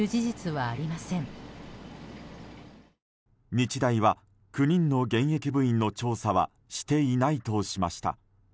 日大は、９人の現役部員の調査はしていないとしました。